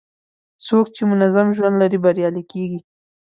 څوک چې منظم ژوند لري، بریالی کېږي.